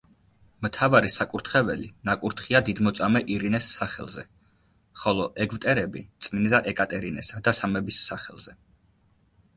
მთავარი საკურთხეველი ნაკურთხია დიდმოწამე ირინეს სახელზე, ხოლო ეგვტერები წმინდა ეკატერინესა და სამების სახელზე.